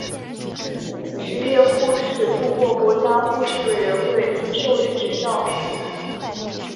执业护士通过国家护士委员会授予执照。